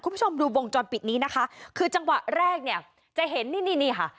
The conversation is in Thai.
คุณผู้ชมดูวงจรปิดนี้นะคะคือจังหวะแรกเนี่ยจะเห็นนี่นี่ค่ะ